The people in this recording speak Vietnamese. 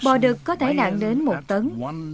bò đực có thể nặng đến một tấn